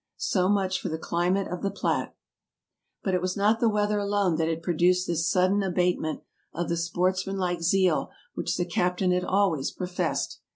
So much for the climate of the Platte ! But it was not the weather alone that had produced this sudden abatement of the sportsmanlike zeal which the cap tain had always professed.